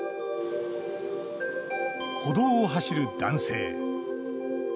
歩道を走る男性。